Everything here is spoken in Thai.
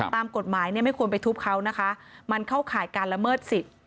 ตามกฎหมายเนี่ยไม่ควรไปทุบเขานะคะมันเข้าข่ายการละเมิดสิทธิ์